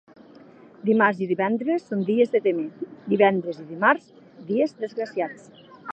Dimarts i divendres són dies de témer; divendres i dimarts, dies desgraciats.